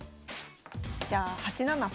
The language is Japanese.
じゃあ８七歩。